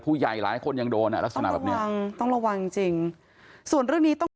ผู้ใหญ่หลายคนยังโดนอ่ะลักษณะแบบเนี้ยต้องระวังต้องระวังจริงจริง